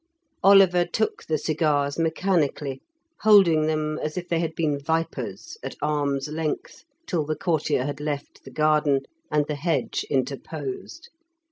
Oliver took the cigars mechanically, holding them as if they had been vipers, at arm's length, till the courtier had left the garden, and the hedge interposed.